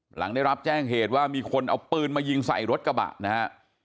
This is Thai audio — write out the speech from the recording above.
หลังได้รับแจ้งเหตุว่ามีคนเอาปืนมายิงใส่รถกระบะนะฮะ